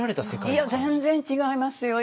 いや全然違いますよ。